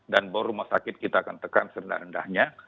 dan bawah rumah sakit kita akan tekan serendah rendahnya